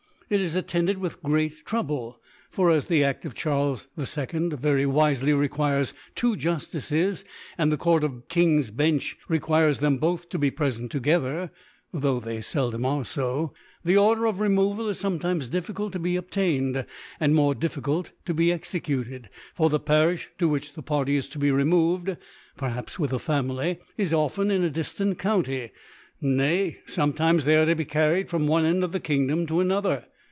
It is attended with great Trouble: for as the Aft of Cb. 2d very wifely requires two Juftices, and the Court of King's Bench requires them both to be prefent together, (tho* they feldom are fo) the Order of Re moval is fometimes difficult to be obtained, and more difficult to be executed; for the Parifli to which the Party is to be removed (perhaps with a Family) is often in a diftant County 5 nay, fometimes they are to be carried from one End of the Kingdom to another.